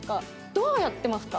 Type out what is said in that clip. どうやってますか？